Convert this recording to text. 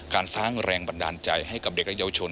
การสร้างแรงบันดาลใจให้กับเด็กและเยาวชน